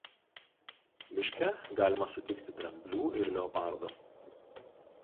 Miške galima sutikti dramblių ir leopardų.